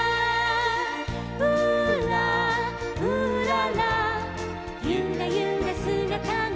「うーらうーらら」「ゆらゆらすがたが」